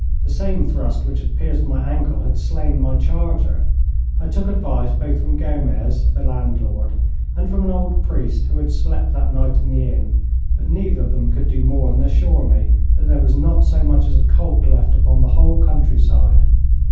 The same thrust which had pierced my ankle had slain my charger. I took advice both from Gomez, the landlord, and from an old priest who had slept that night in the inn, but neither of them could do more than assure me that there was not so much as a colt left upon the whole countryside.